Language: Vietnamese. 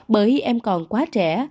bởi em còn quá trẻ